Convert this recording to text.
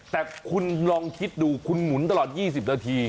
แต่คุณลองคิดดูคุณหมุนตลอด๒๐นาที